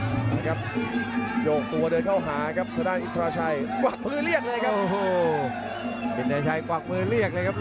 นะครับโยกตัวเดินเข้าหาครับสุรินทราชัยกวากมือเรียกเลยครับ